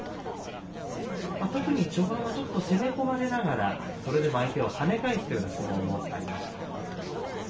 特に序盤はちょっと攻め込まれながらそれでも相手を跳ね返すという相撲もありました。